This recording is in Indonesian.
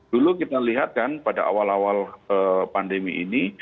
dulu kita lihat kan pada awal awal pandemi ini